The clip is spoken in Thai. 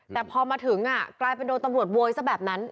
แต่พอมาถึงกลายเป็นโดนตำรวจโวยซะแบบนั้น